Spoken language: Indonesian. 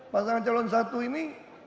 pasangan calon satu ini